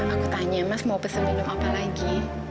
aku tanya mas mau pesan minum apa lagi